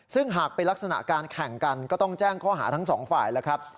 ซึ่งหากเป็นลักษณะการแข่งกันก็ต้องแจ้งข้อหาทั้งสองฝ่ายแล้วครับ